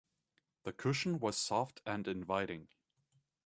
The cushion was soft and inviting.